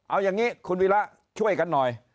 เอาอย่างนี้คุณวิระช่วยกันหน่อย